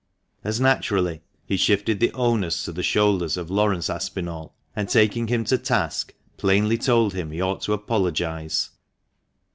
As naturally he shifted the onus to the shoulders of Laurence Aspinall, and, taking him to task, plainly told him he ought to apologise.